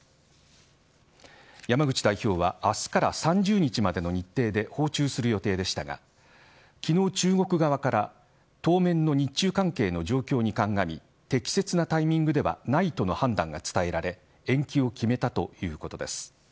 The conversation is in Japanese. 山口代表は明日から３０日までの日程で訪中する予定でしたが昨日、中国側から当面の日中関係の状況にかんがみ適切なタイミングではないとの判断が伝えられ延期を決めたということです。